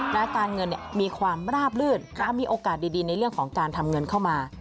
และการเงินมีความราบลื่นมีโอกาสดีในเรื่องของการทำเงินเข้ามา